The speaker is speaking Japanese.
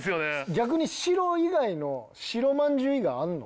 逆に白以外の白まんじゅう以外あんの？